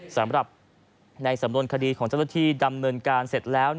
สำหรับในสำนวนคดีของเจ้าหน้าที่ดำเนินการเสร็จแล้ว